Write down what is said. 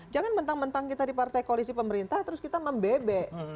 jangan mentang mentang kita di partai koalisi pemerintah terus kita membebek